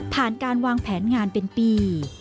ผ่านการวางแผนงานเป็นปี